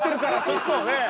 ちょっとねえ。